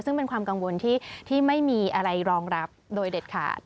ซึ่งเป็นความกังวลที่ไม่มีอะไรรองรับโดยเด็ดขาด